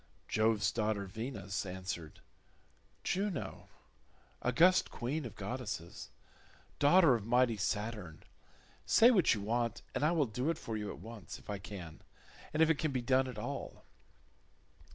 Jove's daughter Venus answered, "Juno, august queen of goddesses, daughter of mighty Saturn, say what you want, and I will do it for you at once, if I can, and if it can be done at all."